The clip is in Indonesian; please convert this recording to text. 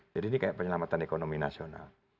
jadi ini kayak penyelamatan ekonomi nasional